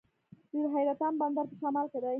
د حیرتان بندر په شمال کې دی